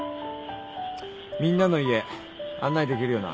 みんなの家案内できるよな？